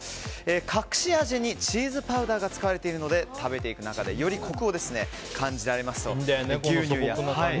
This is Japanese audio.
隠し味にチーズパウダーが使われているので食べていく中でよりコクを感じられます。